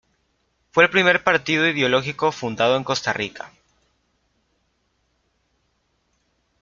Fue el primer partido ideológico fundado en Costa Rica.